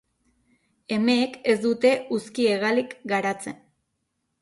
Emeek ez dute uzki-hegalik garatzen.